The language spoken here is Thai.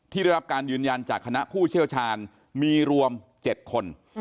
ได้รับการยืนยันจากคณะผู้เชี่ยวชาญมีรวม๗คน